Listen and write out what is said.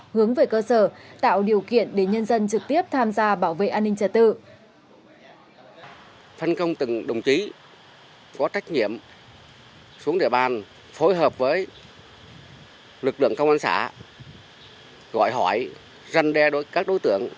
hướng về cơ sở tạo điều kiện để nhân dân trực tiếp tham gia bảo vệ an ninh trật tự